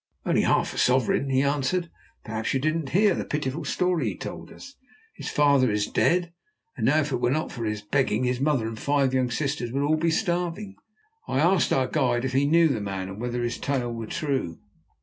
"Only half a sovereign," he answered. "Perhaps you didn't hear the pitiful story he told us? His father is dead, and now, if it were not for his begging, his mother and five young sisters would all be starving." I asked our guide if he knew the man, and whether his tale were true.